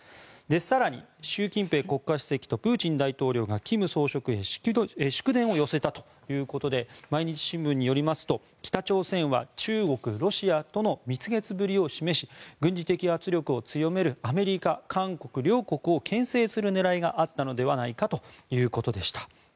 更に、習近平国家主席とプーチン大統領が金総書記へ祝電を寄せたということで毎日新聞によりますと北朝鮮は中国、ロシアとの蜜月ぶりを示し軍事的圧力を強めるアメリカ、韓国の両国を牽制する狙いがあったのではないかということでした。